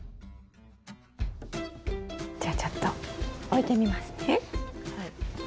じゃあちょっと置いてみますね。はい。